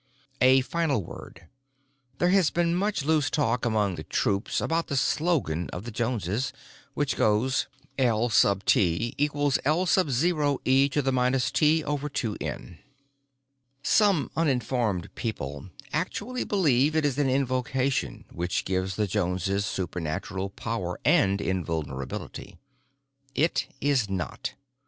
"A final word. There has been much loose talk among the troops about the slogan of the Joneses, which goes L_{T}=L_{O}e ^{T/2N}. Some uninformed people actually believe it is an invocation which gives the Joneses supernatural power and invulnerability. It is not.